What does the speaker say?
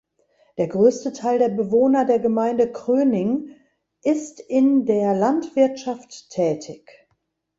Der größte Teil der Bewohner der Gemeinde Kröning ist in der Landwirtschaft tätig.